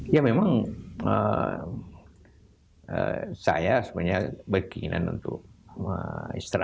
ya memang saya sebenarnya berkeinginan untuk istirahat